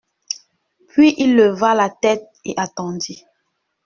Puis il leva la tête et attendit.